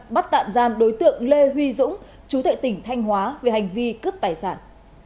bắt tạm giam đối tượng lê huy dũng chú tệ tỉnh thanh hóa về hành vi cướp tài sản